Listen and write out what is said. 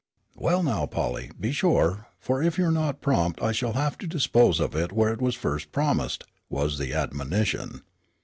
"Well, now, Polly, be sure; for if you are not prompt I shall have to dispose of it where it was first promised," was the admonition.